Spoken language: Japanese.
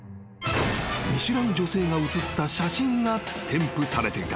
［見知らぬ女性が写った写真が添付されていた］